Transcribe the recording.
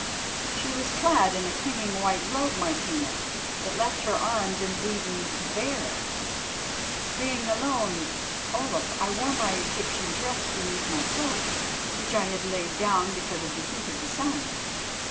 "'She was clad in a clinging white robe, Martina, that left her arms and bosom bare' being alone, Olaf, I wore my Egyptian dress beneath my cloak, which I had laid down because of the heat of the sun.